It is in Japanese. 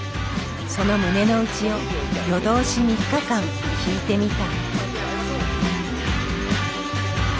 その胸の内を夜通し３日間聞いてみた。